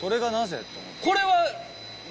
これは。